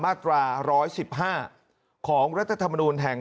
คุณสิริกัญญาบอกว่า๖๔เสียง